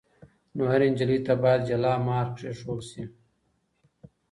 نو هرې نجلۍ ته بايد جلا مهر کښيښوول سي.